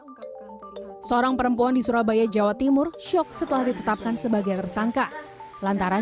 hai seorang perempuan di surabaya jawa timur shock setelah ditetapkan sebagai tersangka lantaran